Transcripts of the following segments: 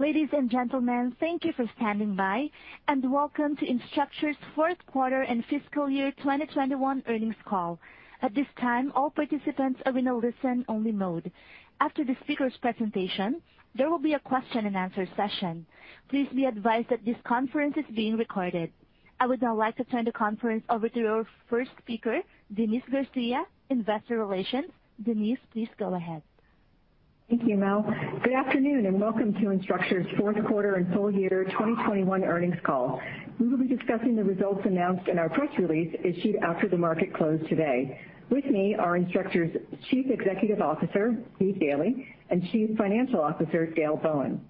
Ladies and gentlemen, thank you for standing by, and welcome to Instructure's Q4 and fiscal year 2021 earnings call. At this time, all participants are in a listen-only mode. After the speaker's presentation, there will be a Q&A. Please be advised that this conference is being recorded. I would now like to turn the conference over to our first speaker, Denise Garcia, Investor Relations. Denise, please go ahead. Thank you, Mel. Good afternoon, and welcome to Instructure's Q4 and full year 2021 earnings call. We will be discussing the results announced in our press release issued after the market closed today. With me are Instructure's Chief Executive Officer, Steve Daly, and Chief Financial Officer, Dale Bowen.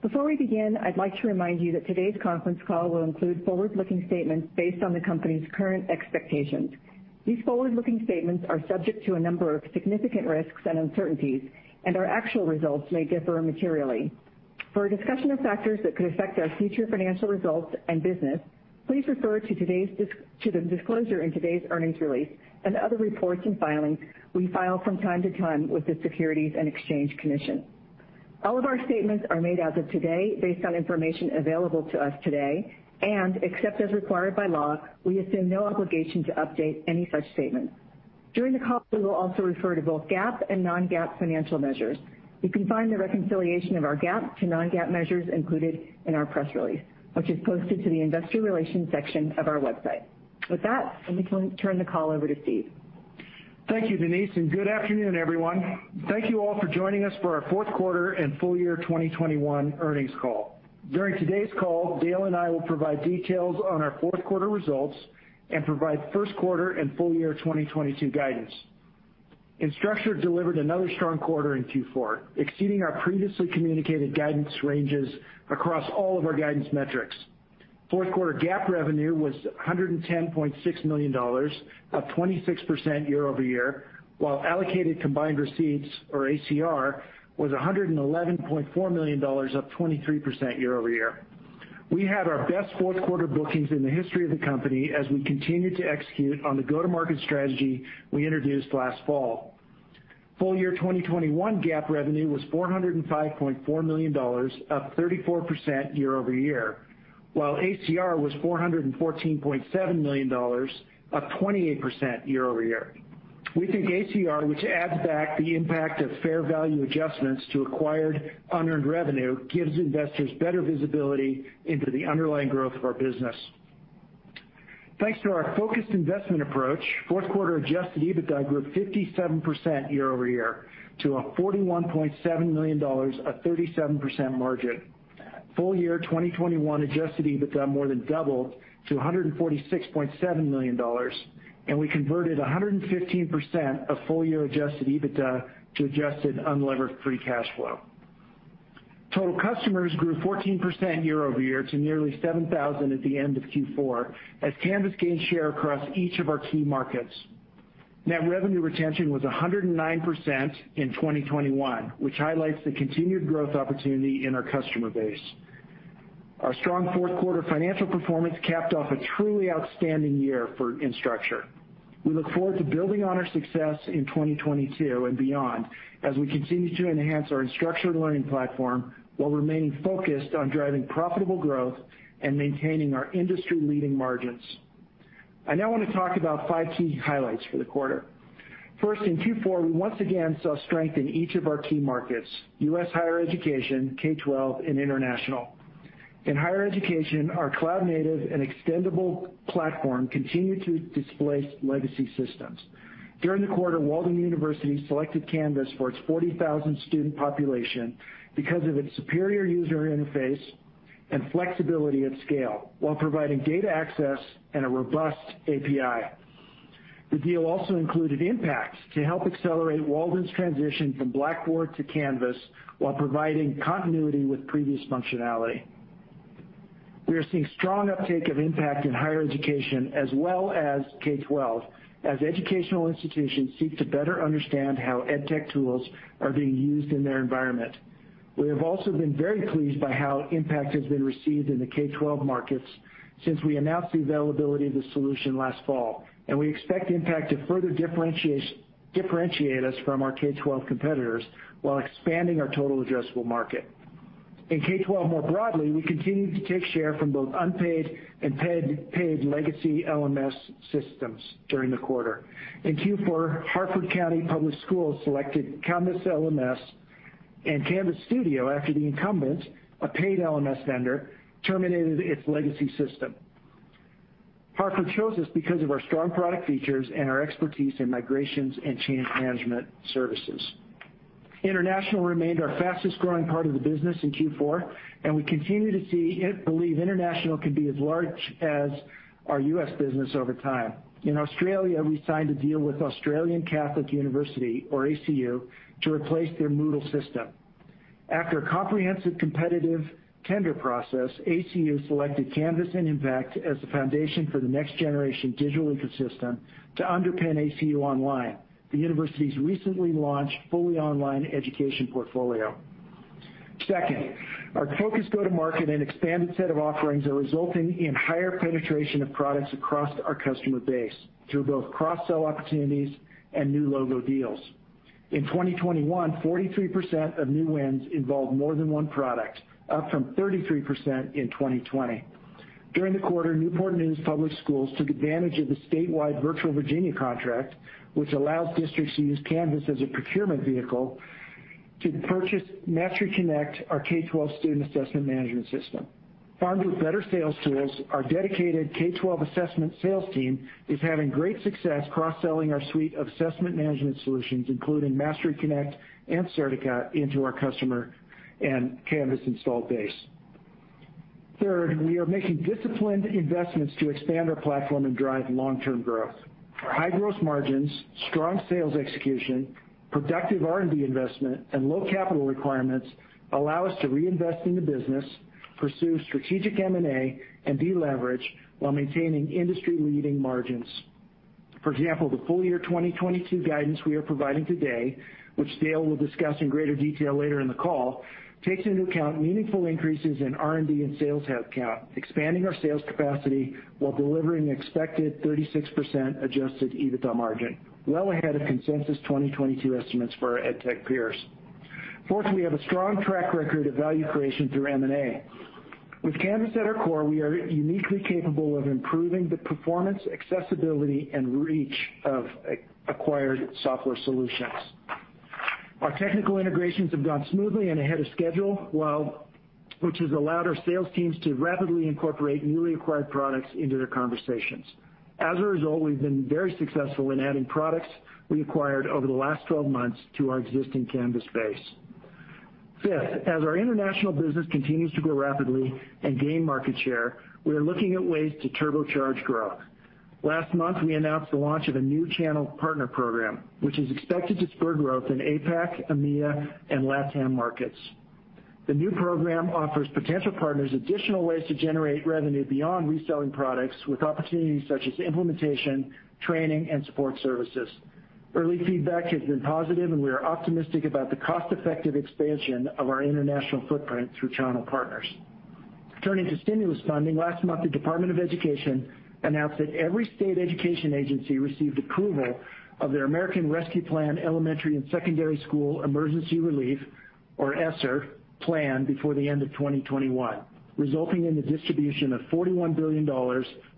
Before we begin, I'd like to remind you that today's conference call will include forward-looking statements based on the company's current expectations. These forward-looking statements are subject to a number of significant risks and uncertainties, and our actual results may differ materially. For a discussion of factors that could affect our future financial results and business, please refer to the disclosure in today's earnings release and other reports and filings we file from time to time with the Securities and Exchange Commission. All of our statements are made as of today based on information available to us today. Except as required by law, we assume no obligation to update any such statements. During the call, we will also refer to both GAAP and non-GAAP financial measures. You can find the reconciliation of our GAAP to non-GAAP measures included in our press release, which is posted to the investor relations section of our website. With that, let me turn the call over to Steve. Thank you, Denise, and good afternoon, everyone. Thank you all for joining us for our Q4 and full year 2021 earnings call. During today's call, Dale and I will provide details on our Q4 results and provide Q1 and full year 2022 guidance. Instructure delivered another strong quarter in Q4, exceeding our previously communicated guidance ranges across all of our guidance metrics. Q4 GAAP revenue was $110.6 million, up 26% year-over-year, while allocated combined receipts or ACR was $111.4 million, up 23% year-over-year. We had our best Q4 bookings in the history of the company as we continued to execute on the go-to-market strategy we introduced last fall. Full year 2021 GAAP revenue was $405.4 million, up 34% year over year, while ACR was $414.7 million, up 28% year over year. We think ACR, which adds back the impact of fair value adjustments to acquired unearned revenue, gives investors better visibility into the underlying growth of our business. Thanks to our focused investment approach, Q4 adjusted EBITDA grew 57% year over year to $41.7 million, a 37% margin. Full year 2021 adjusted EBITDA more than doubled to $146.7 million, and we converted 115% of full-year adjusted EBITDA to adjusted unlevered free cash flow. Total customers grew 14% year over year to nearly 7,000 at the end of Q4 as Canvas gained share across each of our key markets. Net revenue retention was 109% in 2021, which highlights the continued growth opportunity in our customer base. Our strong Q4 financial performance capped off a truly outstanding year for Instructure. We look forward to building on our success in 2022 and beyond as we continue to enhance our Instructure Learning Platform while remaining focused on driving profitable growth and maintaining our industry-leading margins. I now wanna talk about five key highlights for the quarter. First, in Q4, we once again saw strength in each of our key markets. U.S. higher education, K-12, and international. In higher education, our cloud-native and extendable platform continued to displace legacy systems. During the quarter, Walden University selected Canvas for its 40,000-student population because of its superior user interface and flexibility at scale while providing data access and a robust API. The deal also included Impact to help accelerate Walden's transition from Blackboard to Canvas while providing continuity with previous functionality. We are seeing strong uptake of Impact in higher education as well as K-12 as educational institutions seek to better understand how edtech tools are being used in their environment. We have also been very pleased by how Impact has been received in the K-12 markets since we announced the availability of the solution last fall, and we expect Impact to further differentiate us from our K-12 competitors while expanding our total addressable market. In K-12 more broadly, we continued to take share from both unpaid and paid legacy LMS systems during the quarter. In Q4, Harford County Public Schools selected Canvas LMS and Canvas Studio after the incumbents, a paid LMS vendor, terminated its legacy system. Harford chose us because of our strong product features and our expertise in migrations and change management services. International remained our fastest-growing part of the business in Q4, and we continue to believe international can be as large as our U.S. business over time. In Australia, we signed a deal with Australian Catholic University, or ACU, to replace their Moodle system. After a comprehensive competitive tender process, ACU selected Canvas and Impact as the foundation for the next-generation digital ecosystem to underpin ACU Online, the university's recently launched fully online education portfolio. Second, our focused go-to-market and expanded set of offerings are resulting in higher penetration of products across our customer base through both cross-sell opportunities and new logo deals. In 2021, 43% of new wins involved more than one product, up from 33% in 2020. During the quarter, Newport News Public Schools took advantage of the statewide Virtual Virginia contract, which allows districts to use Canvas as a procurement vehicle to purchase MasteryConnect, our K-12 student assessment management system. Armed with better sales tools, our dedicated K-12 assessment sales team is having great success cross-selling our suite of assessment management solutions, including MasteryConnect and Certica, into our customer and Canvas installed base. Third, we are making disciplined investments to expand our platform and drive long-term growth. Our high growth margins, strong sales execution, productive R&D investment, and low capital requirements allow us to reinvest in the business, pursue strategic M&A, and deleverage while maintaining industry-leading margins. For example, the full year 2022 guidance we are providing today, which Dale will discuss in greater detail later in the call, takes into account meaningful increases in R&D and sales headcount, expanding our sales capacity while delivering expected 36% adjusted EBITDA margin, well ahead of consensus 2022 estimates for our edtech peers. Fourth, we have a strong track record of value creation through M&A. With Canvas at our core, we are uniquely capable of improving the performance, accessibility, and reach of acquired software solutions. Our technical integrations have gone smoothly and ahead of schedule, which has allowed our sales teams to rapidly incorporate newly acquired products into their conversations. As a result, we've been very successful in adding products we acquired over the last 12 months to our existing Canvas base. Fifth, as our international business continues to grow rapidly and gain market share, we are looking at ways to turbocharge growth. Last month, we announced the launch of a new channel partner program, which is expected to spur growth in APAC, EMEA, and LATAM markets. The new program offers potential partners additional ways to generate revenue beyond reselling products with opportunities such as implementation, training, and support services. Early feedback has been positive, and we are optimistic about the cost-effective expansion of our international footprint through channel partners. Turning to stimulus funding, last month, the Department of Education announced that every state education agency received approval of their American Rescue Plan Elementary and Secondary School Emergency Relief, or ESSER, plan before the end of 2021, resulting in the distribution of $41 billion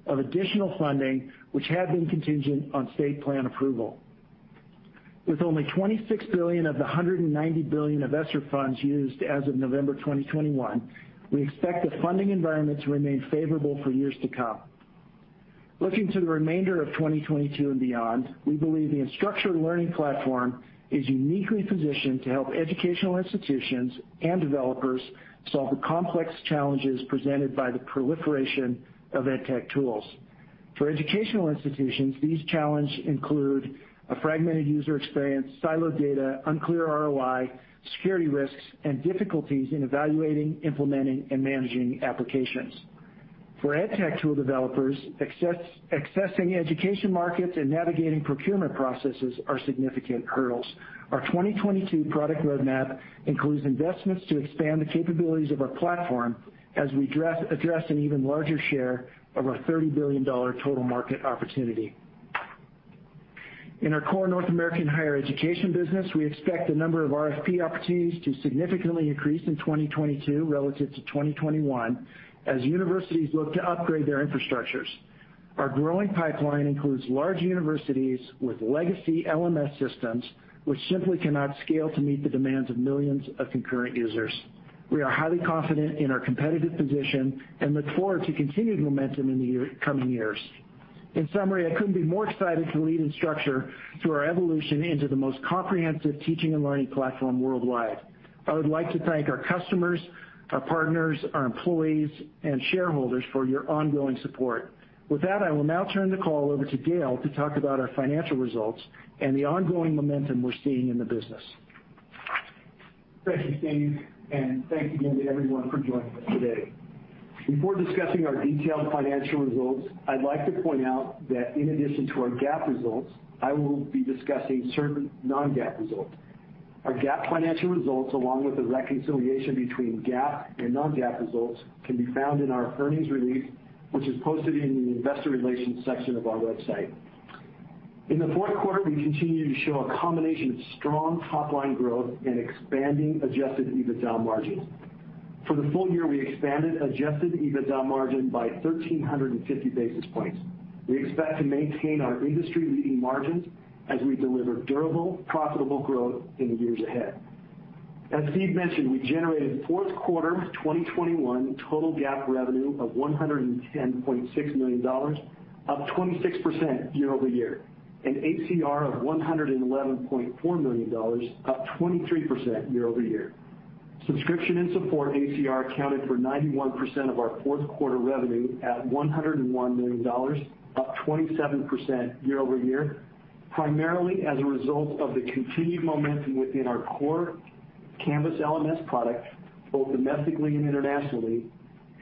of additional funding, which had been contingent on state plan approval. With only $26 billion of the $190 billion of ESSER funds used as of November 2021, we expect the funding environment to remain favorable for years to come. Looking to the remainder of 2022 and beyond, we believe the Instructure Learning Platform is uniquely positioned to help educational institutions and developers solve the complex challenges presented by the proliferation of edtech tools. For educational institutions, these challenges include a fragmented user experience, siloed data, unclear ROI, security risks, and difficulties in evaluating, implementing, and managing applications. For edtech tool developers, accessing education markets and navigating procurement processes are significant hurdles. Our 2022 product roadmap includes investments to expand the capabilities of our platform as we address an even larger share of our $30 billion total market opportunity. In our core North American higher education business, we expect the number of RFP opportunities to significantly increase in 2022 relative to 2021 as universities look to upgrade their infrastructures. Our growing pipeline includes large universities with legacy LMS systems, which simply cannot scale to meet the demands of millions of concurrent users. We are highly confident in our competitive position and look forward to continued momentum in the coming years. In summary, I couldn't be more excited to lead Instructure through our evolution into the most comprehensive teaching and learning platform worldwide. I would like to thank our customers, our partners, our employees, and shareholders for your ongoing support. With that, I will now turn the call over to Dale to talk about our financial results and the ongoing momentum we're seeing in the business. Thank you, Steve, and thanks again to everyone for joining us today. Before discussing our detailed financial results, I'd like to point out that in addition to our GAAP results, I will be discussing certain non-GAAP results. Our GAAP financial results, along with a reconciliation between GAAP and non-GAAP results, can be found in our earnings release, which is posted in the investor relations section of our website. In the Q4, we continued to show a combination of strong top-line growth and expanding adjusted EBITDA margins. For the full year, we expanded adjusted EBITDA margin by 1,350 basis points. We expect to maintain our industry-leading margins as we deliver durable, profitable growth in the years ahead. As Steve mentioned, we generated Q4 2021 total GAAP revenue of $110.6 million, up 26% year-over-year, and ACR of $111.4 million, up 23% year-over-year. Subscription and support ACR accounted for 91% of our Q4 revenue at $101 million, up 27% year-over-year, primarily as a result of the continued momentum within our core Canvas LMS product, both domestically and internationally,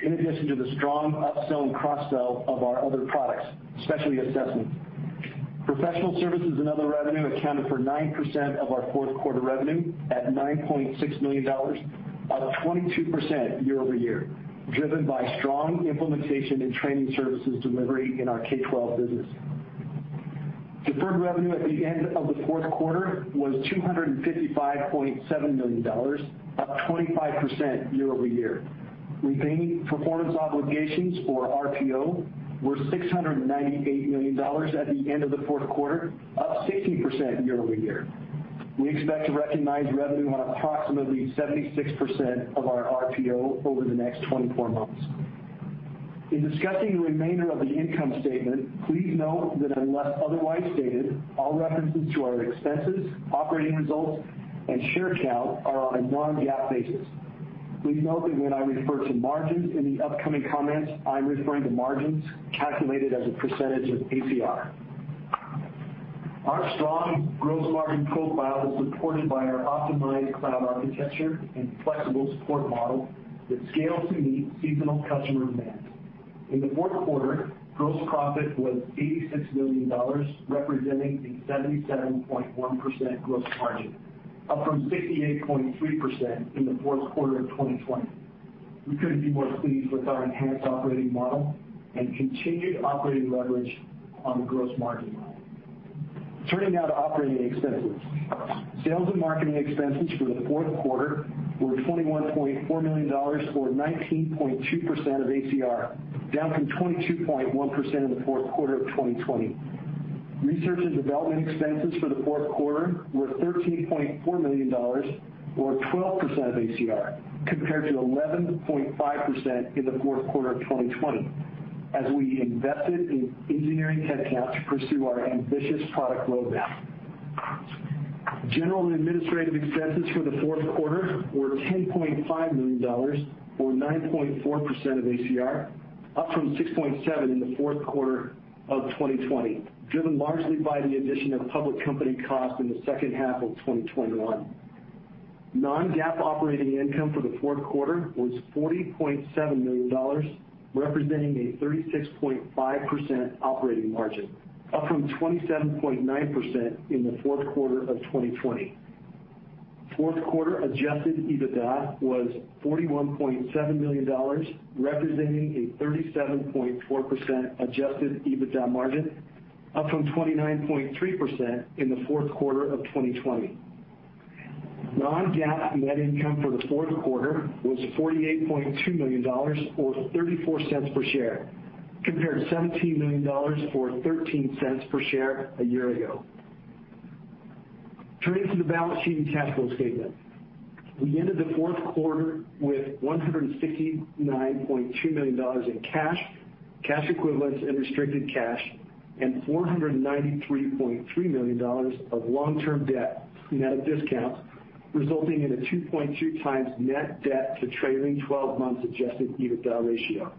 in addition to the strong up-sell and cross-sell of our other products, especially assessments. Professional services and other revenue accounted for 9% of our Q4 revenue at $9.6 million, up 22% year-over-year, driven by strong implementation and training services delivery in our K-12 business. Deferred revenue at the end of the Q4 was $255.7 million, up 25% year-over-year. Remaining performance obligations or RPO were $698 million at the end of the Q4, up 60% year-over-year. We expect to recognize revenue on approximately 76% of our RPO over the next 24 months. In discussing the remainder of the income statement, please note that unless otherwise stated, all references to our expenses, operating results and share count are on a non-GAAP basis. Please note that when I refer to margins in the upcoming comments, I'm referring to margins calculated as a percentage of ACR. Our strong gross margin profile is supported by our optimized cloud architecture and flexible support model that scales to meet seasonal customer demand. In the Q4, gross profit was $86 million, representing a 77.1% gross margin, up from 68.3% in the Q4 of 2020. We couldn't be more pleased with our enhanced operating model and continued operating leverage on the gross margin line. Turning now to operating expenses. Sales and marketing expenses for the Q4 were $21.4 million, or 19.2% of ACR, down from 22.1% in the Q4 of 2020. Research and development expenses for the Q4 were $13.4 million or 12% of ACR, compared to 11.5% in the Q4 of 2020, as we invested in engineering headcount to pursue our ambitious product roadmap. General and administrative expenses for the Q4 were $10.5 million or 9.4% of ACR, up from 6.7% in the Q4 of 2020, driven largely by the addition of public company costs in the second half of 2021. Non-GAAP operating income for the Q4 was $40.7 million, representing a 36.5% operating margin, up from 27.9% in the Q4 of 2020. Q4 adjusted EBITDA was $41.7 million, representing a 37.4% adjusted EBITDA margin, up from 29.3% in the Q4 of 2020. Non-GAAP net income for the Q4 was $48.2 million or $0.34 per share, compared to $17 million or $0.13 per share a year ago. Turning to the balance sheet and cash flow statement. We ended the Q4 with $169.2 million in cash equivalents and restricted cash, and $493.3 million of long-term debt net of discount, resulting in a 2.2x net debt to trailing twelve-month adjusted EBITDA ratio.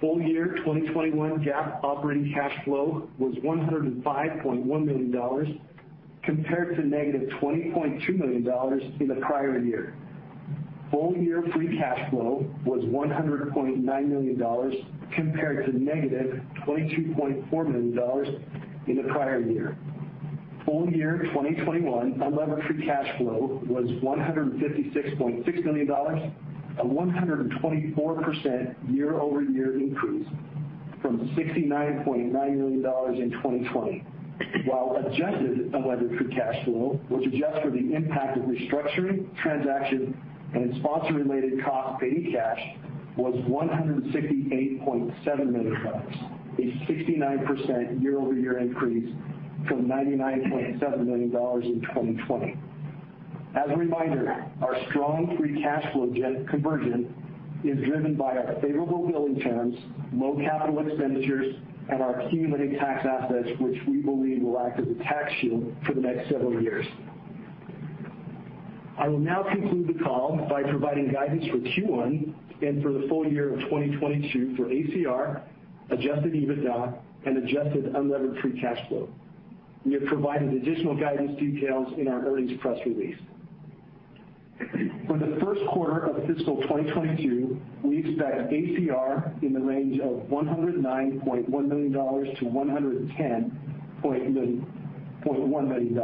Full year 2021 GAAP operating cash flow was $105.1 million, compared to negative $20.2 million in the prior year. Full year free cash flow was $100.9 million, compared to -$22.4 million in the prior year. Full year 2021 unlevered free cash flow was $156.6 million, a 124% year-over-year increase from $69.9 million in 2020. While adjusted unlevered free cash flow, which adjusts for the impact of restructuring, transaction and sponsor-related costs paid in cash, was $168.7 million, a 69% year-over-year increase from $99.7 million in 2020. As a reminder, our strong free cash flow generation conversion is driven by our favorable billing terms, low capital expenditures, and our accumulated tax assets, which we believe will act as a tax shield for the next several years. I will now conclude the call by providing guidance for Q1 and for the full year of 2022 for ACR, adjusted EBITDA, and adjusted unlevered free cash flow. We have provided additional guidance details in our earnings press release. For the Q1 of fiscal 2022, we expect ACR in the range of $109.1 million-$110.1 million.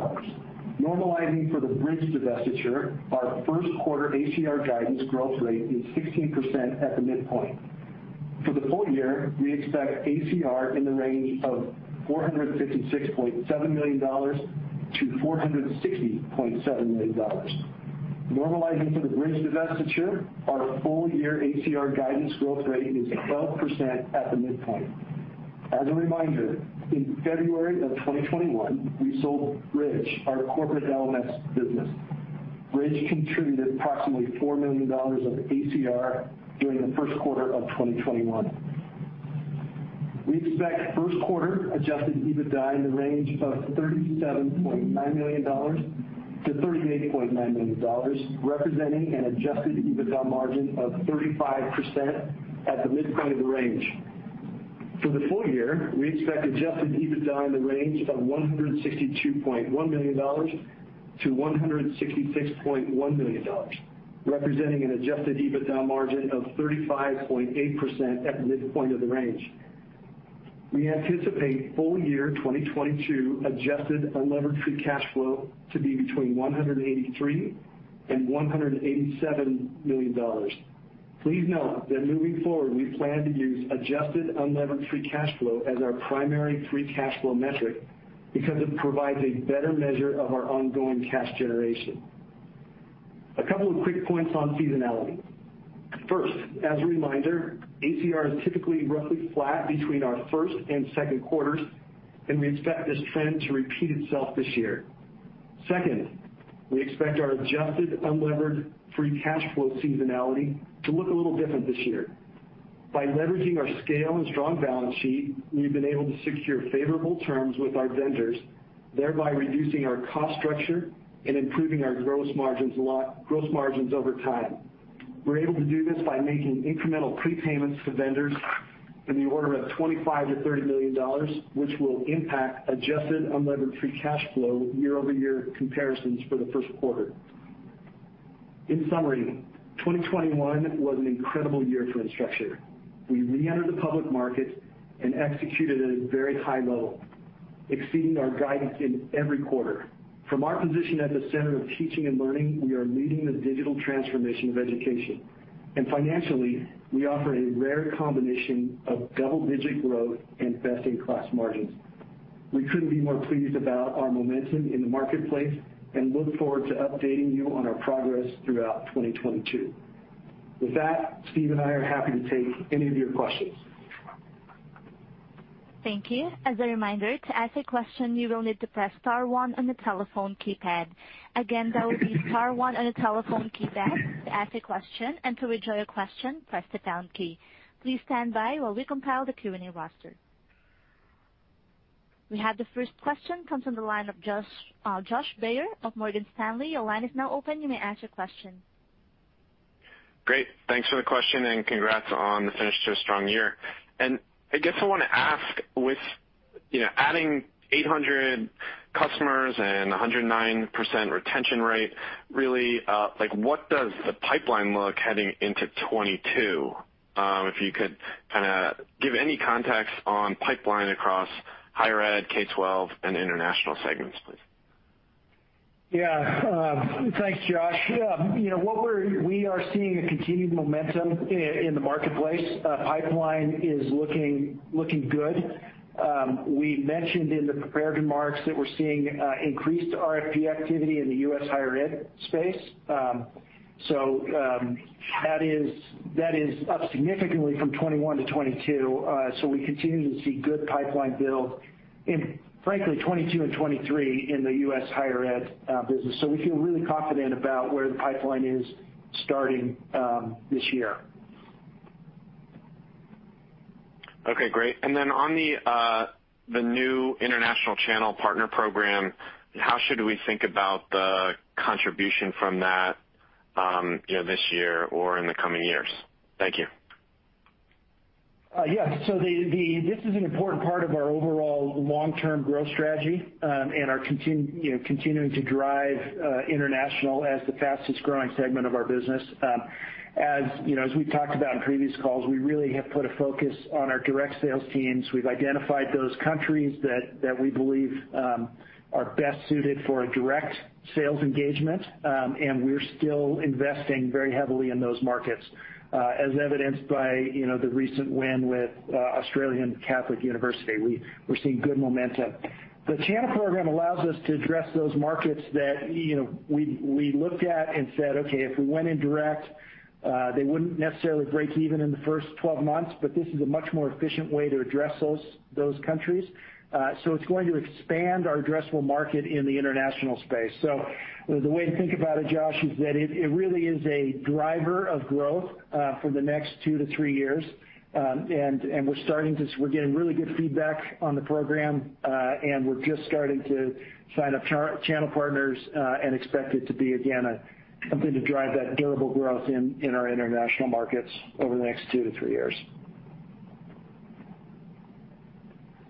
Normalizing for the Bridge divestiture, our Q1 ACR guidance growth rate is 16% at the midpoint. For the full year, we expect ACR in the range of $456.7 million-$460.7 million. Normalizing for the Bridge divestiture, our full year ACR guidance growth rate is 12% at the midpoint. As a reminder, in February of 2021, we sold Bridge, our corporate LMS business. Bridge contributed approximately $4 million of ACR during the Q1 of 2021. We expect Q1 adjusted EBITDA in the range of $37.9 million-$38.9 million, representing an adjusted EBITDA margin of 35% at the midpoint of the range. For the full year, we expect adjusted EBITDA in the range of $162.1 million-$166.1 million, representing an adjusted EBITDA margin of 35.8% at the midpoint of the range. We anticipate full year 2022 adjusted unlevered free cash flow to be between $183 million and $187 million. Please note that moving forward, we plan to use adjusted unlevered free cash flow as our primary free cash flow metric because it provides a better measure of our ongoing cash generation. A couple of quick points on seasonality. First, as a reminder, ACR is typically roughly flat between our first and Q2, and we expect this trend to repeat itself this year. Second, we expect our adjusted unlevered free cash flow seasonality to look a little different this year. By leveraging our scale and strong balance sheet, we've been able to secure favorable terms with our vendors, thereby reducing our cost structure and improving our gross margins a lot, gross margins over time. We're able to do this by making incremental prepayments to vendors in the order of $25 million-$30 million, which will impact adjusted unlevered free cash flow year-over-year comparisons for the Q1. In summary, 2021 was an incredible year for Instructure. We reentered the public market and executed at a very high level, exceeding our guidance in every quarter. From our position at the center of teaching and learning, we are leading the digital transformation of education. Financially, we offer a rare combination of double-digit growth and best-in-class margins. We couldn't be more pleased about our momentum in the marketplace and look forward to updating you on our progress throughout 2022. With that, Steve and I are happy to take any of your questions. Thank you. As a reminder, to ask a question, you will need to press star one on the telephone keypad. Again, that would be star one on the telephone keypad to ask a question. To withdraw your question, press the pound key. Please stand by while we compile the Q&A roster. We have the first question coming from the line of Josh Baer of Morgan Stanley. Your line is now open. You may ask your question. Great. Thanks for the question, and congrats on the finish to a strong year. I guess I wanna ask with, you know, adding 800 customers and 109% retention rate, really, like, what does the pipeline look heading into 2022? If you could kinda give any context on pipeline across higher ed, K-12 and international segments, please. Yeah. Thanks, Josh. Yeah, you know what? We are seeing a continued momentum in the marketplace. Pipeline is looking good. We mentioned in the prepared remarks that we're seeing increased RFP activity in the U.S. higher ed space. That is up significantly from 2021 to 2022. We continue to see good pipeline build in, frankly, 2022 and 2023 in the U.S. higher ed business. We feel really confident about where the pipeline is starting this year. Okay, great. On the new international channel partner program, how should we think about the contribution from that, you know, this year or in the coming years? Thank you. This is an important part of our overall long-term growth strategy, and we are continuing to drive international as the fastest-growing segment of our business. As you know, as we've talked about in previous calls, we really have put a focus on our direct sales teams. We've identified those countries that we believe are best suited for a direct sales engagement. We're still investing very heavily in those markets, as evidenced by, you know, the recent win with Australian Catholic University. We're seeing good momentum. The channel program allows us to address those markets that, you know, we looked at and said, "Okay, if we went in direct, they wouldn't necessarily break even in the first 12 months, but this is a much more efficient way to address those countries." It's going to expand our addressable market in the international space. The way to think about it, Josh, is that it really is a driver of growth for the next two-three years. We're getting really good feedback on the program, and we're just starting to sign up channel partners, and expect it to be, again, a something to drive that durable growth in our international markets over the next two-three years.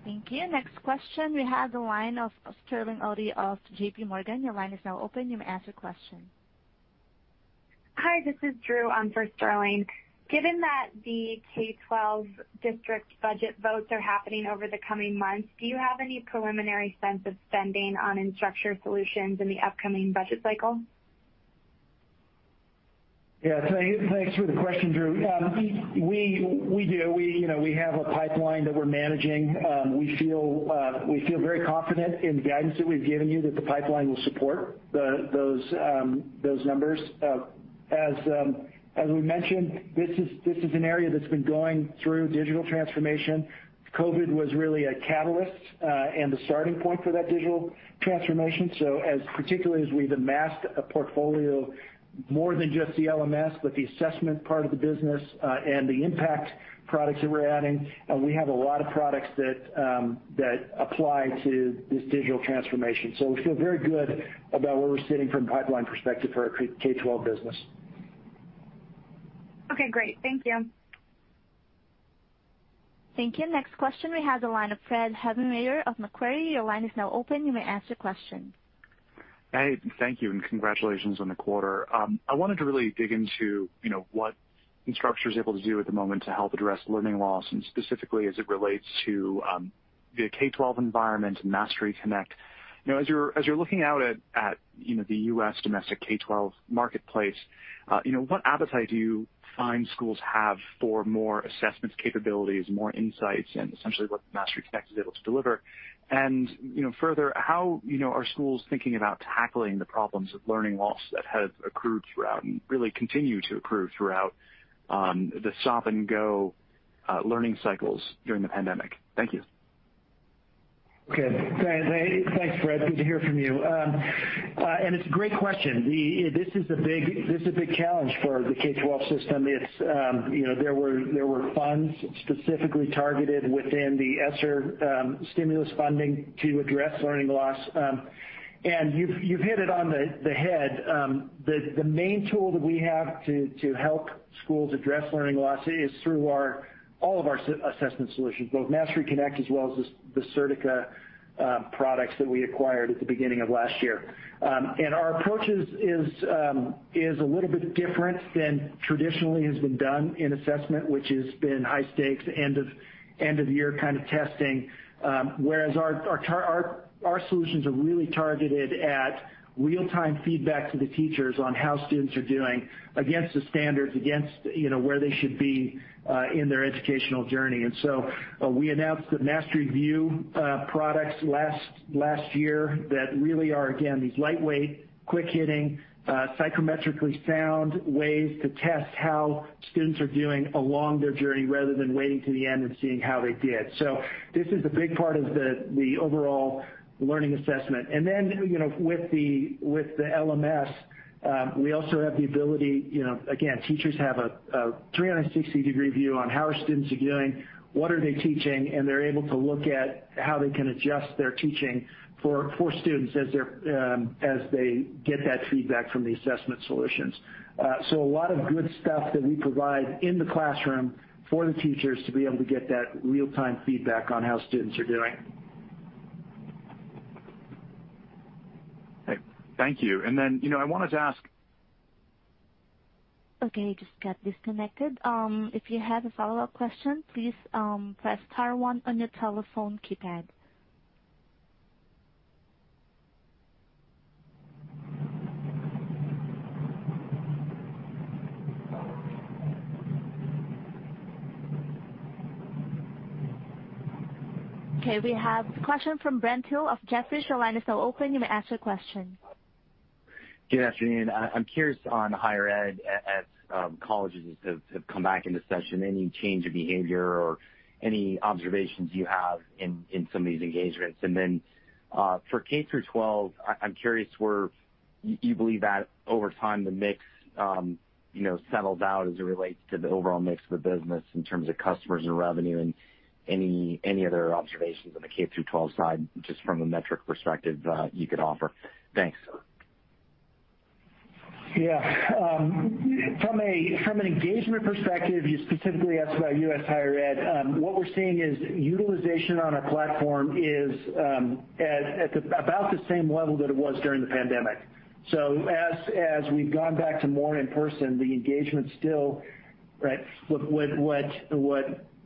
Thank you. Next question. We have the line of Sterling Auty of JP Morgan. Your line is now open. You may ask your question. Hi, this is Drew. I'm for Sterling. Given that the K-12 district budget votes are happening over the coming months, do you have any preliminary sense of spending on Instructure solutions in the upcoming budget cycle? Yeah. Thanks for the question, Drew. We do. You know, we have a pipeline that we're managing. We feel very confident in the guidance that we've given you that the pipeline will support those numbers. As we mentioned, this is an area that's been going through digital transformation. COVID was really a catalyst and the starting point for that digital transformation. As particularly as we've amassed a portfolio more than just the LMS, but the assessment part of the business, and the impact products that we're adding, we have a lot of products that apply to this digital transformation. We feel very good about where we're sitting from a pipeline perspective for our K-12 business. Okay, great. Thank you. Thank you. Next question. We have the line of Fred Havemeyer of Macquarie. Your line is now open. You may ask your question. Hey, thank you, and congratulations on the quarter. I wanted to really dig into, you know, what Instructure is able to do at the moment to help address learning loss and specifically as it relates to the K-12 environment and MasteryConnect. You know, as you're looking out at, you know, the U.S. domestic K-12 marketplace, what appetite do you find schools have for more assessments capabilities, more insights, and essentially what MasteryConnect is able to deliver? You know, further, how are schools thinking about tackling the problems of learning loss that have accrued throughout and really continue to accrue throughout the stop-and-go learning cycles during the pandemic? Thank you. Okay. Thanks. Thanks, Fred. Good to hear from you. It's a great question. This is a big challenge for the K-12 system. It's, you know, there were funds specifically targeted within the ESSER stimulus funding to address learning loss. You've hit it on the head. The main tool that we have to help schools address learning loss is through all of our assessment solutions, both MasteryConnect as well as the Certica products that we acquired at the beginning of last year. Our approaches is a little bit different than traditionally has been done in assessment, which has been high stakes, end of year kind of testing. Whereas our solutions are really targeted at real-time feedback to the teachers on how students are doing against the standards, you know, where they should be in their educational journey. We announced the MasteryView products last year that really are, again, these lightweight, quick-hitting, psychometrically sound ways to test how students are doing along their journey rather than waiting to the end and seeing how they did. This is a big part of the overall learning assessment. Then, you know, with the LMS, we also have the ability, you know, again, teachers have a 360-degree view on how our students are doing, what they are teaching, and they're able to look at how they can adjust their teaching for students as they get that feedback from the assessment solutions. So a lot of good stuff that we provide in the classroom for the teachers to be able to get that real-time feedback on how students are doing. Okay. Thank you. You know, I wanted to ask- Okay, you just got disconnected. If you have a follow-up question, please, press star one on your telephone keypad. Okay, we have a question from Brent Thill of Jefferies. Your line is now open. You may ask your question. Good afternoon. I'm curious on higher ed, as colleges have come back into session, any change of behavior or any observations you have in some of these engagements? For K-12, I'm curious where you believe that over time the mix, you know, settles out as it relates to the overall mix of the business in terms of customers and revenue and any other observations on the K-12 side, just from a metric perspective, you could offer. Thanks. Yeah. From an engagement perspective, you specifically asked about U.S. higher ed. What we're seeing is utilization on our platform is at about the same level that it was during the pandemic. As we've gone back to more in person, the engagement still, right. What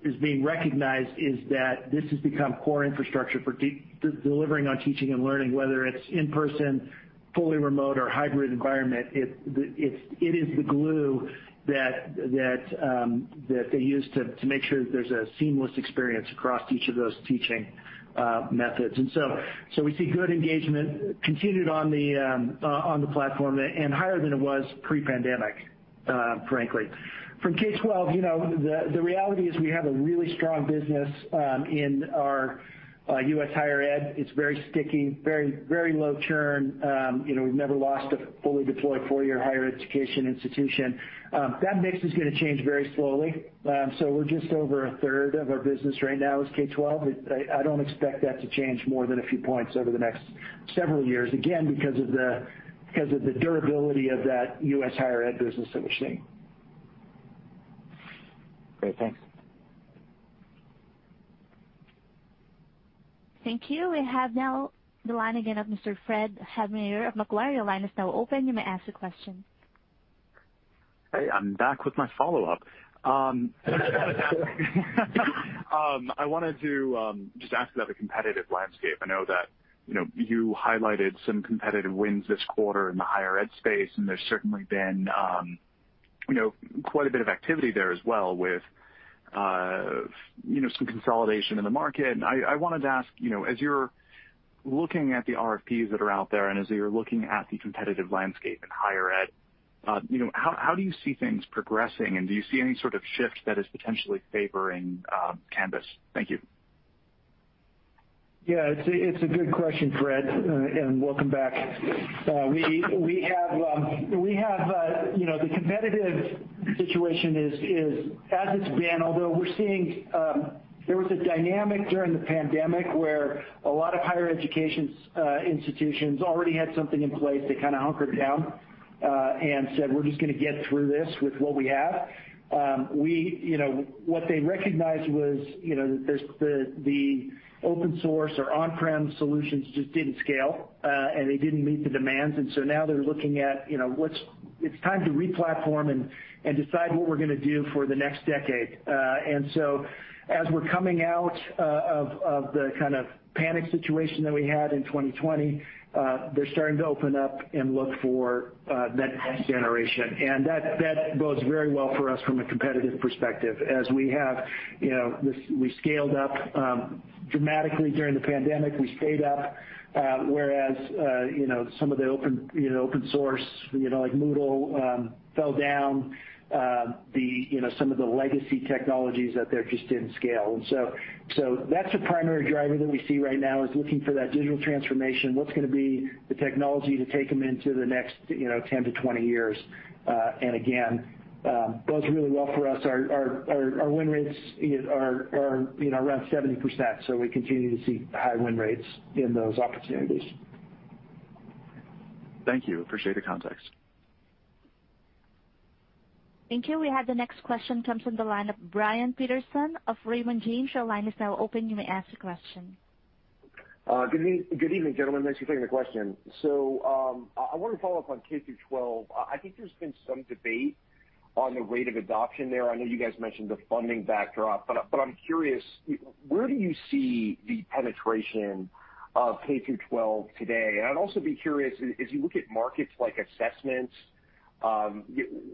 is being recognized is that this has become core infrastructure for delivering on teaching and learning, whether it's in person, fully remote or hybrid environment. It is the glue that they use to make sure that there's a seamless experience across each of those teaching methods. We see good engagement continued on the platform and higher than it was pre-pandemic, frankly. From K-12, you know, the reality is we have a really strong business in our U.S. higher ed. It's very sticky, very low churn. You know, we've never lost a fully deployed four-year higher education institution. That mix is gonna change very slowly. So we're just over 1/3 of our business right now is K-12. I don't expect that to change more than a few points over the next several years, again, because of the durability of that U.S. higher ed business that we're seeing. Great. Thanks. Thank you. We have now the line again of Mr. Fred Havemeyer of Macquarie. Your line is now open. You may ask your question. Hey, I'm back with my follow-up. I wanted to just ask about the competitive landscape. I know that, you know, you highlighted some competitive wins this quarter in the higher ed space, and there's certainly been, you know, quite a bit of activity there as well with, you know, some consolidation in the market. I wanted to ask, you know, as you're looking at the RFPs that are out there and as you're looking at the competitive landscape in higher ed, you know, how do you see things progressing? Do you see any sort of shift that is potentially favoring Canvas? Thank you. Yeah, it's a good question, Fred, and welcome back. We have you know the competitive situation is as it's been, although we're seeing. There was a dynamic during the pandemic where a lot of higher education institutions already had something in place. They kinda hunkered down and said, "We're just gonna get through this with what we have." We you know what they recognized was you know there's the open source or on-prem solutions just didn't scale and they didn't meet the demands. Now they're looking at you know it's time to re-platform and decide what we're gonna do for the next decade. As we're coming out of the kind of panic situation that we had in 2020, they're starting to open up and look for that next generation. That bodes very well for us from a competitive perspective as we have, you know, this we scaled up dramatically during the pandemic. We stayed up, whereas, you know, some of the open source, you know, like Moodle, fell down. Some of the legacy technologies out there just didn't scale. That's the primary driver that we see right now is looking for that digital transformation. What's gonna be the technology to take them into the next, you know, 10-20 years? Bodes really well for us. Our win rates, you know, are, you know, around 70%, so we continue to see high win rates in those opportunities. Thank you. I appreciate the context. Thank you. We have the next question comes from the line of Brian Peterson of Raymond James. Your line is now open. You may ask a question. Good evening, gentlemen. Thanks for taking the question. I want to follow up on K-12. I think there's been some debate on the rate of adoption there. I know you guys mentioned the funding backdrop, but I'm curious, where do you see the penetration of K-12 today? I'd also be curious, as you look at markets like assessments,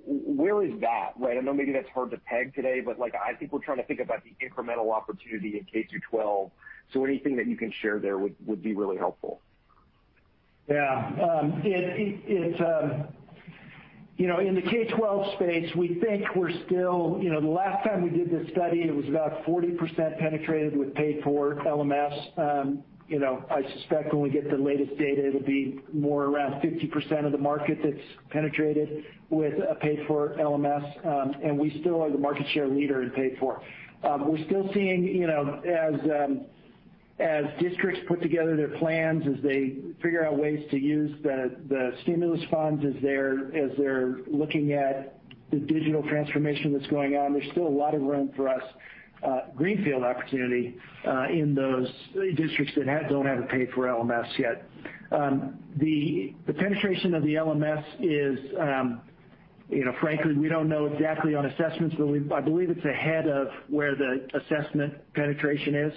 where is that? Right? I know maybe that's hard to peg today, but like, I think we're trying to think about the incremental opportunity in K-12, so anything that you can share there would be really helpful. You know, in the K-12 space, we think we're still you know, the last time we did this study, it was about 40% penetrated with paid-for LMS. You know, I suspect when we get the latest data, it'll be more around 50% of the market that's penetrated with a paid-for LMS, and we still are the market share leader in paid-for. We're still seeing, you know, as districts put together their plans, as they figure out ways to use the stimulus funds, as they're looking at the digital transformation that's going on, there's still a lot of room for us, greenfield opportunity, in those districts that don't have a paid-for LMS yet. The penetration of the LMS is, you know, frankly, we don't know exactly on assessments, but I believe it's ahead of where the assessment penetration is,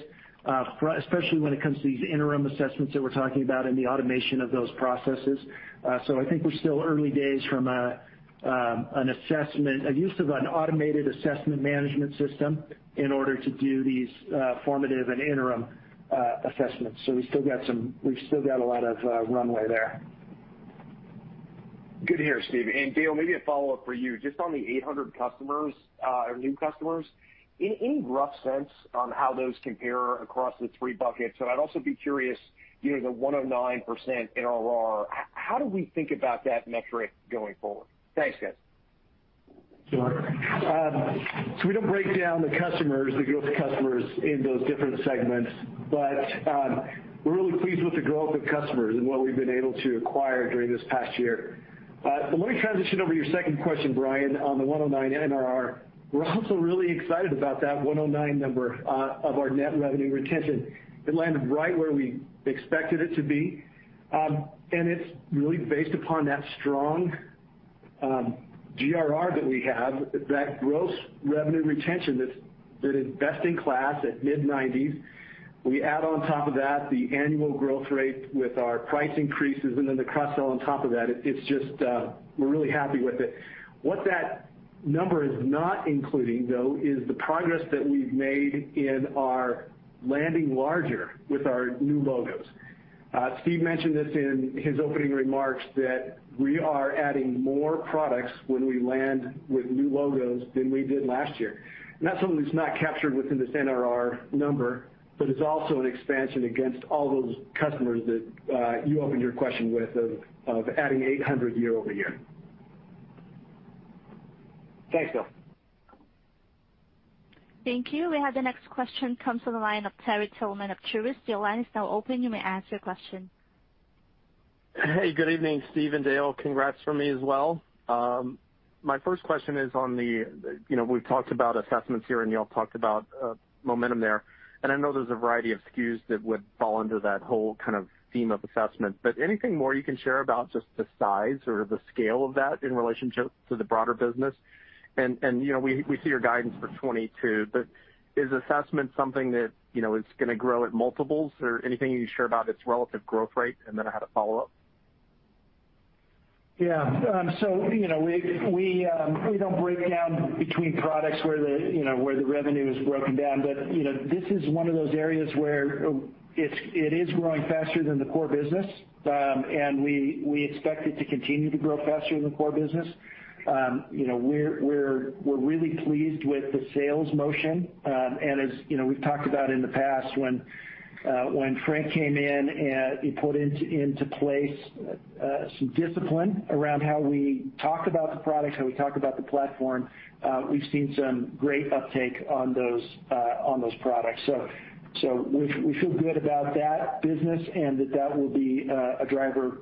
especially when it comes to these interim assessments that we're talking about and the automation of those processes. I think we're still early days from a use of an automated assessment management system in order to do these formative and interim assessments. We've still got a lot of runway there. Good to hear, Steve. Dale, maybe a follow-up for you. Just on the 800 customers or new customers, any rough sense on how those compare across the three buckets? I'd also be curious, you know, the 109% NRR. How do we think about that metric going forward? Thanks, guys. Sure. So we don't break down the customers, the growth customers in those different segments, but we're really pleased with the growth of customers and what we've been able to acquire during this past year. Let me transition over to your second question, Brian, on the 109 NRR. We're also really excited about that 109 number of our net revenue retention. It landed right where we expected it to be. It's really based upon that strong GRR that we have, that gross revenue retention that's been best in class at mid-90s. We add on top of that the annual growth rate with our price increases and then the cross-sell on top of that. It's just, we're really happy with it. What that number is not including, though, is the progress that we've made in our landing larger with our new logos. Steve mentioned this in his opening remarks that we are adding more products when we land with new logos than we did last year. That's something that's not captured within this NRR number, but it's also an expansion against all those customers that you opened your question with of adding 800 year-over-year. Thanks, Dale. Thank you. We have the next question comes from the line of Terry Tillman of Truist. Your line is now open. You may ask your question. Hey, good evening, Steve and Dale. Congrats from me as well. My first question is on the. You know, we've talked about assessments here, and y'all talked about momentum there, and I know there's a variety of SKUs that would fall under that whole kind of theme of assessment, but anything more you can share about just the size or the scale of that in relationship to the broader business? You know, we see your guidance for 2022, but is assessment something that, you know, is gonna grow at multiples? Or anything you can share about its relative growth rate? I had a follow-up. Yeah. So, you know, we don't break down between products where the, you know, where the revenue is broken down. You know, this is one of those areas where it is growing faster than the core business. We expect it to continue to grow faster than the core business. You know, we're really pleased with the sales motion. As you know, we've talked about in the past when Frank came in and he put into place some discipline around how we talk about the products, how we talk about the platform, we've seen some great uptake on those products. We feel good about that business and that will be a driver.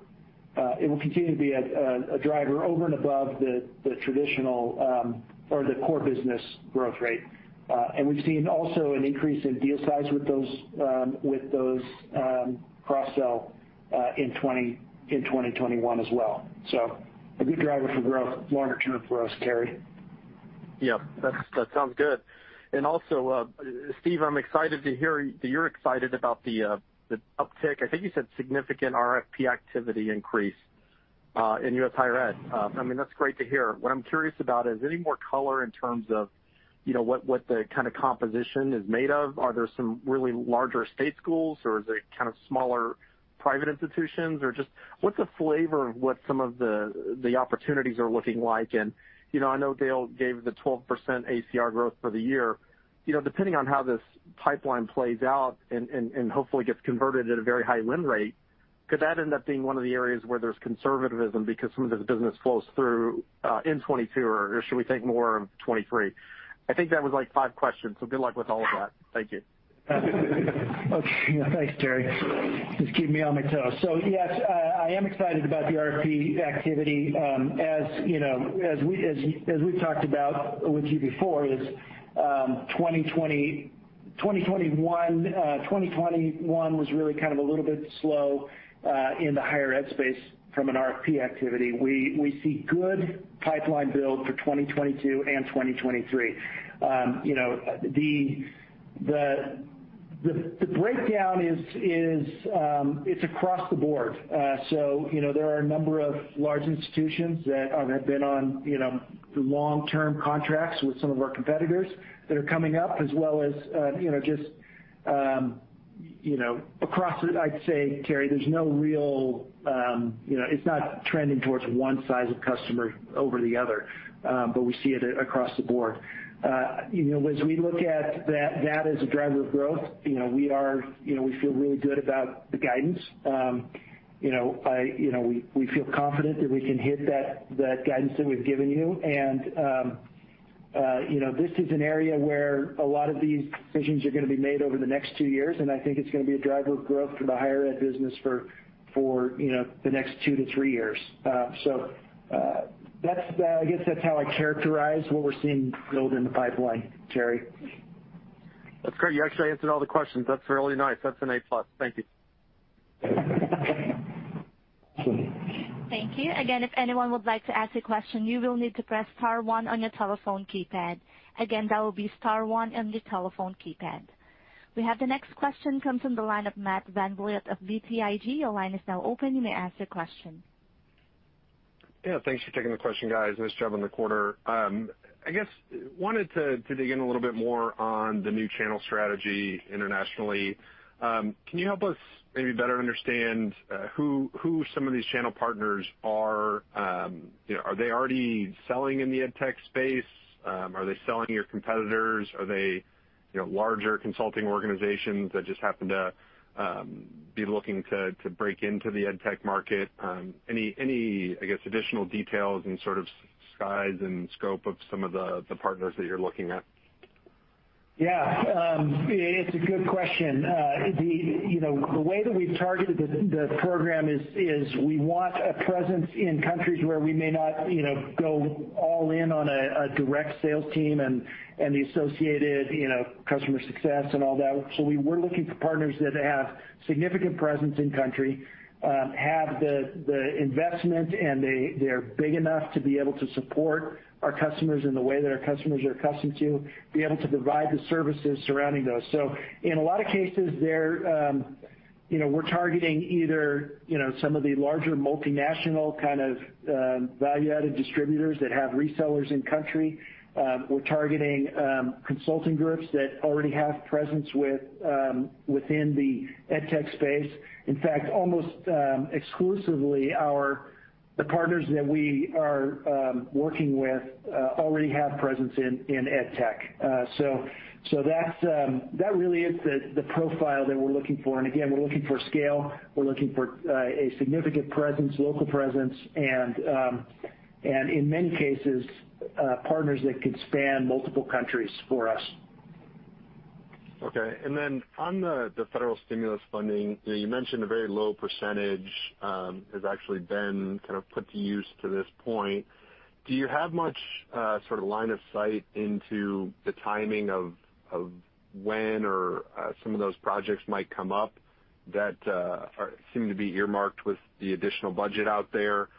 It will continue to be a driver over and above the traditional or the core business growth rate. We've seen also an increase in deal size with those cross-sell in 2021 as well. A good driver for growth longer term for us, Terry. Yeah, that sounds good. Also, Steve, I'm excited to hear that you're excited about the uptick. I think you said significant RFP activity increase in U.S. higher ed. I mean, that's great to hear. What I'm curious about is any more color in terms of, you know, what the kinda composition is made of. Are there some really larger state schools, or is it kind of smaller private institutions? Or just what's the flavor of what some of the opportunities are looking like? You know, I know Dale gave the 12% ACR growth for the year. You know, depending on how this pipeline plays out and hopefully gets converted at a very high win rate, could that end up being one of the areas where there's conservatism because some of the business flows through in 2022? Should we think more of 2023? I think that was, like, five questions, so good luck with all of that. Thank you. Okay. Thanks, Terry. Just keeping me on my toes. Yes, I am excited about the RFP activity. As you know, as we've talked about with you before, 2020, 2021 was really kind of a little bit slow in the higher ed space from an RFP activity. We see good pipeline build for 2022 and 2023. You know, the breakdown is, it's across the board. You know, there are a number of large institutions that have been on, you know, the long-term contracts with some of our competitors that are coming up as well as, you know, just, I'd say, Terry, there's no real, you know, it's not trending towards one size of customer over the other, but we see it across the board. You know, as we look at that as a driver of growth, you know, we are, you know, we feel really good about the guidance. You know, we feel confident that we can hit that guidance that we've given you. You know, this is an area where a lot of these decisions are gonna be made over the next two years, and I think it's gonna be a driver of growth for the higher ed business for you know, the next two to three years. That's, I guess, that's how I characterize what we're seeing build in the pipeline, Terry. That's great. You actually answered all the questions. That's really nice. That's an A+. Thank you. Thank you. Again, if anyone would like to ask a question, you will need to press star one on your telephone keypad. Again, that will be star one on your telephone keypad. We have the next question comes from the line of Matt VanVliet of BTIG. Your line is now open. You may ask your question. Yeah, thanks for taking the question, guys. Nice job on the quarter. I guess I wanted to dig in a little bit more on the new channel strategy internationally. Can you help us maybe better understand who some of these channel partners are? You know, are they already selling in the ed tech space? Are they selling your competitors? Are they, you know, larger consulting organizations that just happen to be looking to break into the ed tech market? Any, I guess, additional details and sort of size and scope of some of the partners that you're looking at? Yeah. It's a good question. You know, the way that we've targeted the program is we want a presence in countries where we may not, you know, go all in on a direct sales team and the associated, you know, customer success and all that. We're looking for partners that have significant presence in country, have the investment, and they're big enough to be able to support our customers in the way that our customers are accustomed to, be able to provide the services surrounding those. In a lot of cases there, you know, we're targeting either, you know, some of the larger multinational kind of value-added distributors that have resellers in country. We're targeting consulting groups that already have presence within the edtech space. In fact, almost exclusively the partners that we are working with already have presence in edtech. So that's that really is the profile that we're looking for. Again, we're looking for scale. We're looking for a significant presence, local presence, and in many cases, partners that could span multiple countries for us. Okay. Then on the federal stimulus funding, you know, you mentioned a very low percentage has actually been kind of put to use to this point. Do you have much sort of line of sight into the timing of of when or some of those projects might come up that seem to be earmarked with the additional budget out there?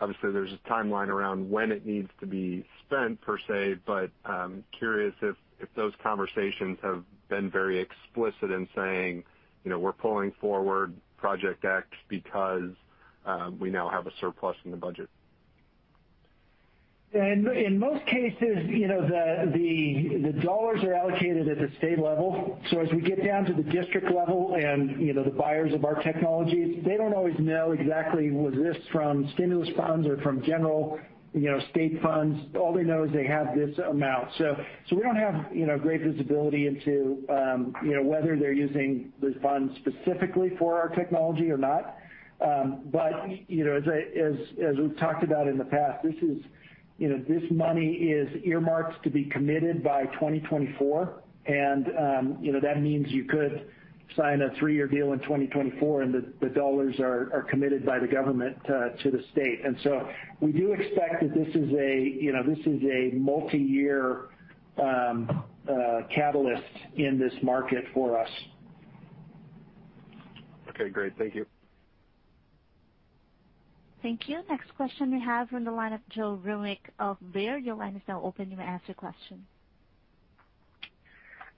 Obviously, there's a timeline around when it needs to be spent per se, but I'm curious if those conversations have been very explicit in saying, you know, we're pulling forward project X because we now have a surplus in the budget. In most cases, you know, the dollars are allocated at the state level. So as we get down to the district level and, you know, the buyers of our technologies, they don't always know exactly was this from stimulus funds or from general, you know, state funds. All they know is they have this amount. So we don't have, you know, great visibility into, you know, whether they're using those funds specifically for our technology or not. But, you know, as we've talked about in the past, this is, you know, this money is earmarked to be committed by 2024. You know, that means you could sign a three-year deal in 2024, and the dollars are committed by the government to the state. We do expect that this is a, you know, this is a multiyear catalyst in this market for us. Okay, great. Thank you. Thank you. Next question we have from the line of Joe Vruwink of Baird. Your line is now open. You may ask your question.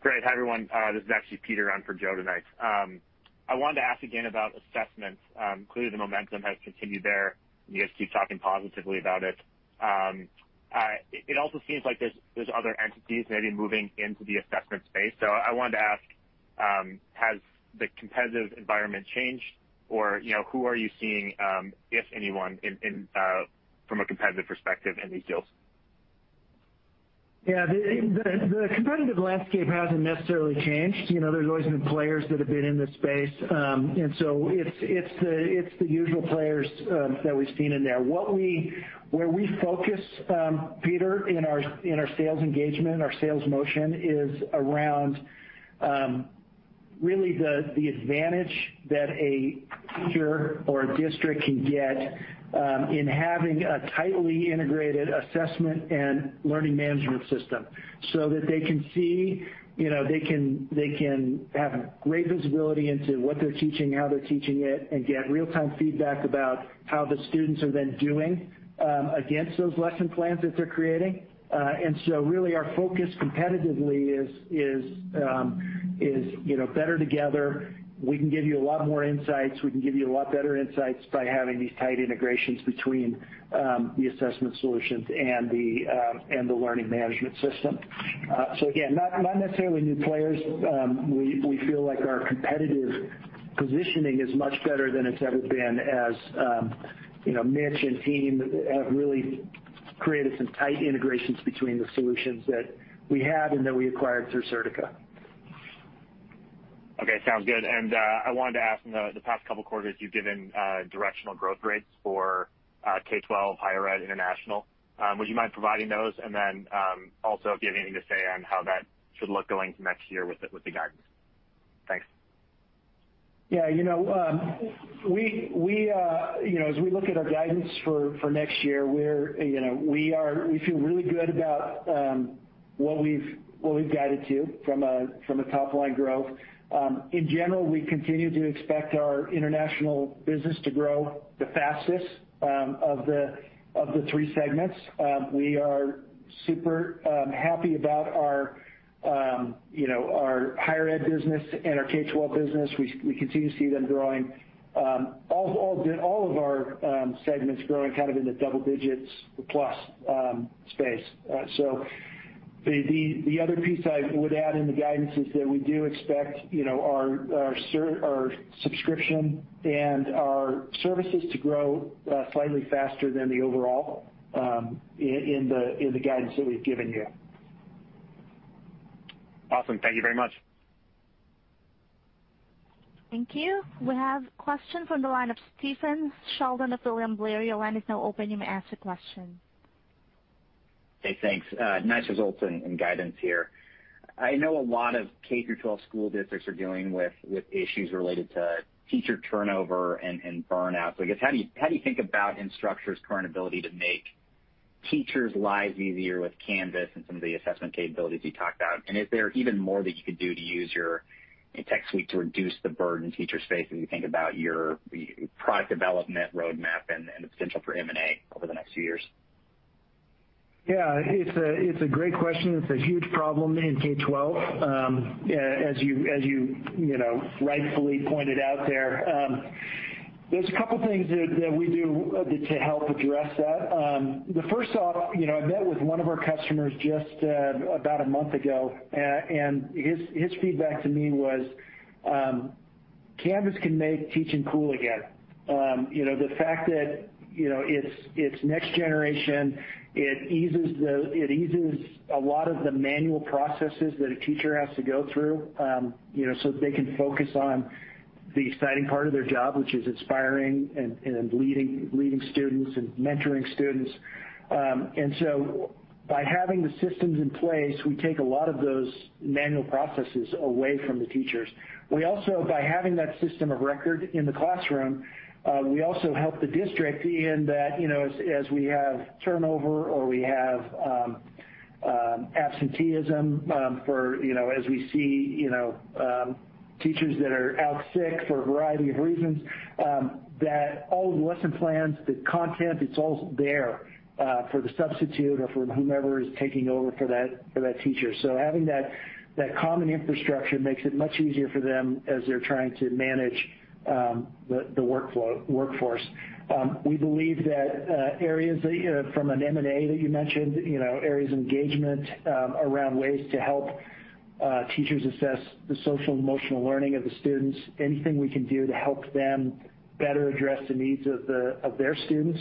Great. Hi, everyone. This is actually Peter on for Joe tonight. I wanted to ask again about assessments. Clearly, the momentum has continued there. You guys keep talking positively about it. It also seems like there's other entities maybe moving into the assessment space. I wanted to ask, has the competitive environment changed or, you know, who are you seeing, if anyone in from a competitive perspective in these deals? Yeah. The competitive landscape hasn't necessarily changed. You know, there's always been players that have been in this space. It's the usual players that we've seen in there. Where we focus, Peter, in our sales engagement, our sales motion is around really the advantage that a teacher or a district can get in having a tightly integrated assessment and learning management system so that they can see, you know, they can have great visibility into what they're teaching, how they're teaching it, and get real-time feedback about how the students are then doing against those lesson plans that they're creating. Really our focus competitively is you know, better together. We can give you a lot more insights. We can give you a lot better insights by having these tight integrations between the assessment solutions and the learning management system. Again, not necessarily new players. We feel like our competitive positioning is much better than it's ever been as you know, Mitch and team have really created some tight integrations between the solutions that we have and that we acquired through Certica. Okay. Sounds good. I wanted to ask in the past couple quarters you've given directional growth rates for K-12, higher ed, international. Would you mind providing those? Also if you have anything to say on how that should look going into next year with the guidance? Thanks. You know, as we look at our guidance for next year, we feel really good about what we've guided to from a top-line growth. In general, we continue to expect our international business to grow the fastest of the three segments. We are super happy about our higher ed business and our K-12 business. We continue to see them growing. All of our segments growing kind of in the double digits plus space. The other piece I would add in the guidance is that we do expect, you know, our subscription and our services to grow slightly faster than the overall in the guidance that we've given you. Awesome. Thank you very much. Thank you. We have a question from the line of Stephen Sheldon of William Blair. Your line is now open. You may ask your question. Okay, thanks. Nice results and guidance here. I know a lot of K-12 school districts are dealing with issues related to teacher turnover and burnout. I guess, how do you think about Instructure's current ability to make teachers' lives easier with Canvas and some of the assessment capabilities you talked about? And is there even more that you could do to use your tech suite to reduce the burden teachers face as you think about your product development roadmap and the potential for M&A over the next few years? Yeah. It's a great question. It's a huge problem in K-12, as you know, rightfully pointed out there. There's a couple things that we do to help address that. The first off, you know, I met with one of our customers just about a month ago, and his feedback to me was, Canvas can make teaching cool again. You know, the fact that, you know, it's next generation, it eases a lot of the manual processes that a teacher has to go through, you know, so that they can focus on the exciting part of their job, which is inspiring and leading students and mentoring students. By having the systems in place, we take a lot of those manual processes away from the teachers. We also, by having that system of record in the classroom, we also help the district in that, you know, as we have turnover or we have absenteeism, for, you know, as we see, you know, Teachers that are out sick for a variety of reasons, that all the lesson plans, the content, it's all there, for the substitute or for whomever is taking over for that, for that teacher. Having that common infrastructure makes it much easier for them as they're trying to manage the workforce. We believe that areas, you know, from an M&A that you mentioned, you know, areas of engagement, around ways to help teachers assess the social emotional learning of the students. Anything we can do to help them better address the needs of their students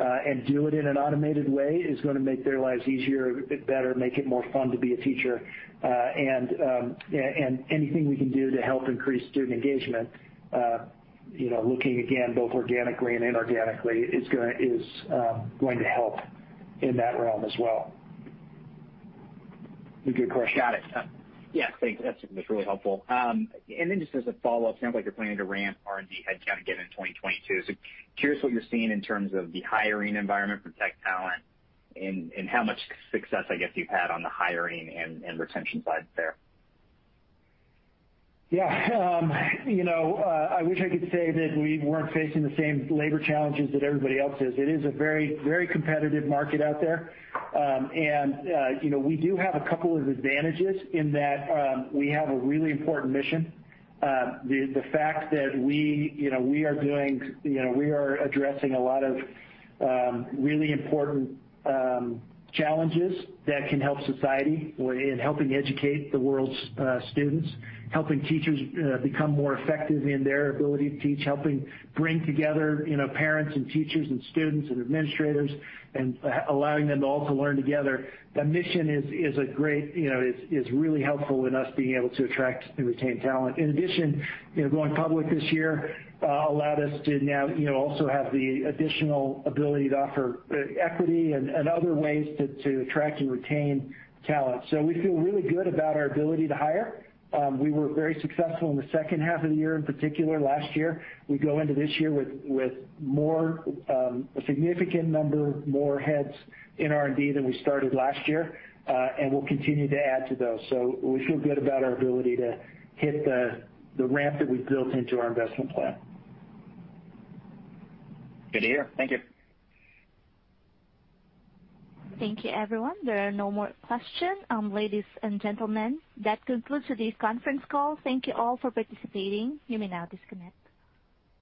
and do it in an automated way is gonna make their lives easier, better, make it more fun to be a teacher. Anything we can do to help increase student engagement, you know, looking again both organically and inorganically is going to help in that realm as well. A good question. Got it. Yeah, thanks. That's really helpful. Just as a follow-up, sounds like you're planning to ramp R&D headcount again in 2022. Curious what you're seeing in terms of the hiring environment for tech talent and how much success, I guess, you've had on the hiring and retention side there. Yeah. You know, I wish I could say that we weren't facing the same labor challenges that everybody else is. It is a very competitive market out there. You know, we do have a couple of advantages in that, we have a really important mission. The fact that we, you know, we are doing, you know, we are addressing a lot of, really important, challenges that can help society or in helping educate the world's, students, helping teachers, become more effective in their ability to teach, helping bring together, you know, parents and teachers and students and administrators and allowing them to also learn together. That mission is a great, you know, is really helpful in us being able to attract and retain talent. In addition, you know, going public this year allowed us to now, you know, also have the additional ability to offer equity and other ways to attract and retain talent. We feel really good about our ability to hire. We were very successful in the second half of the year, in particular last year. We go into this year with more, a significant number more heads in R&D than we started last year. We'll continue to add to those. We feel good about our ability to hit the ramp that we've built into our investment plan. Good to hear. Thank you. Thank you, everyone. There are no more questions. Ladies and gentlemen, that concludes today's conference call. Thank you all for participating. You may now disconnect.